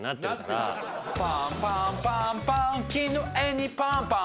パンパンパンパン絹江にパンパン。